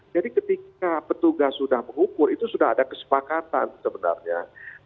ketika petugas sudah mengukur itu sudah ada kesepakatan sebenarnya